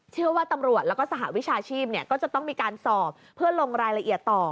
เชื่อว่าตำรวจแล้วก็สหวิชาชีพก็จะต้องมีการสอบเพื่อลงรายละเอียดต่อ